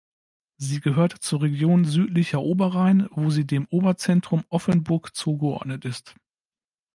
Sie gehört zur Region Südlicher Oberrhein, wo sie dem Oberzentrum Offenburg zugeordnet ist.